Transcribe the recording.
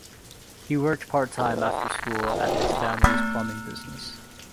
He worked part-time after school at his family's plumbing business.